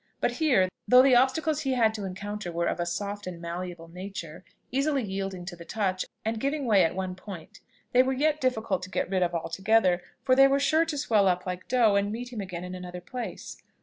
But here, though the obstacles he had to encounter were of a soft and malleable nature, easily yielding to the touch, and giving way at one point, they were yet difficult to get rid of altogether; for they were sure to swell up like dough, and meet him again in another place.